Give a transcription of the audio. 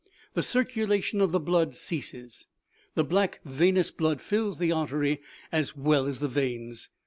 The circulation of the blood ceases. The black venous blood fills the arteries as well as the veins.